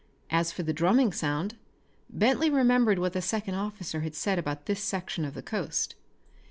As for the drumming sound Bentley remembered what the second officer had said about this section of the coast.